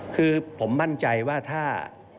คือผมมั่นใจว่าถ้า